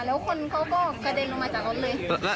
แล้วคนเขาก็กระเด็นลงมาจากรถเลย